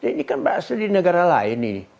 ini kan berasal dari negara lain nih